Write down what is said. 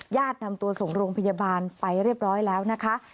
นำตัวส่งโรงพยาบาลไปเรียบร้อยแล้วนะคะ